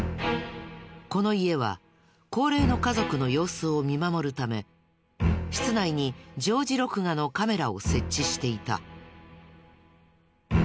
この家は高齢の家族の様子を見守るため室内に常時録画のカメラを設置していた。